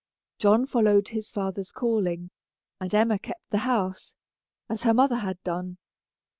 John followed his father's calling, and Emma kept the house, as her mother had done.